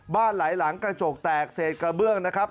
หลายหลังกระจกแตกเศษกระเบื้องนะครับ